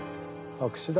白紙だ。